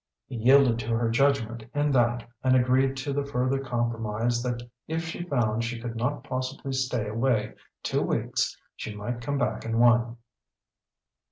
He yielded to her judgment in that, and agreed to the further compromise that if she found she could not possibly stay away two weeks she might come back in one.